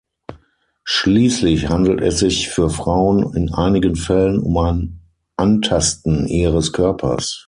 Schließlich handelt es sich für Frauen in einigen Fällen um ein Antasten ihres Körpers.